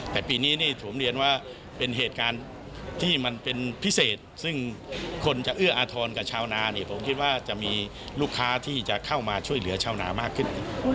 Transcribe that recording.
แต่ปีนี้นี่ผมเรียนว่าเป็นเหตุการณ์ที่มันเป็นพิเศษซึ่งคนจะเอื้ออาทรกับชาวนาเนี่ยผมคิดว่าจะมีลูกค้าที่จะเข้ามาช่วยเหลือชาวนามากขึ้น